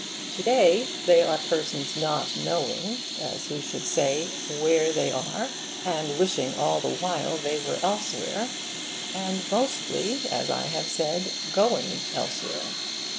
To day they are persons not knowing, as who should say, where they are, and wishing all the while they were elsewhere and mostly, as I have said, going elsewhere.